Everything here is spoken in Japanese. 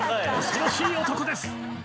恐ろしい男です